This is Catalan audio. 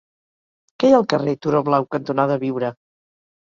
Què hi ha al carrer Turó Blau cantonada Biure?